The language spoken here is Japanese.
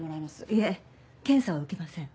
いえ検査は受けません。